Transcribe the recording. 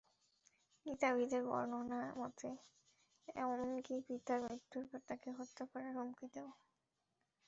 কিতাবীদের বর্ণনা মতে, এমনকি পিতার মৃত্যুর পর তাকে হত্যা করার হুমকিও দেন।